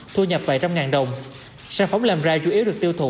thu nhập vài trăm ngàn đồng sản phẩm làm ra chủ yếu được tiêu thụ